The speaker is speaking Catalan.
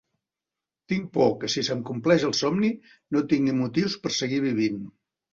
Tinc por que si se'm compleix el somni, no tingui motius per seguir vivint.